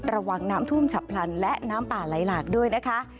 ระวังน้ำท่วมฉับพลันและน้ำป่าไหลหลากด้วยนะคะ